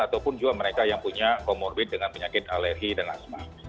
ataupun juga mereka yang punya comorbid dengan penyakit alergi dan asma